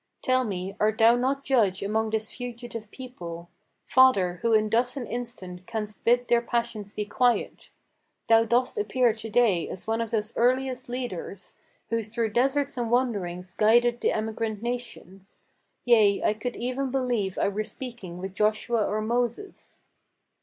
Tell me, art thou not judge among this fugitive people, Father, who thus in an instant canst bid their passions be quiet? Thou dost appear to day as one of those earliest leaders, Who through deserts and wanderings guided the emigrant nations. Yea, I could even believe I were speaking with Joshua or Moses."